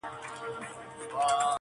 په غوټه سوه ور نیژدي د طوطي لورته!